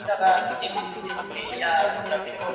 که څېړونکی بصیریت ولري ښه تفسیر کوي.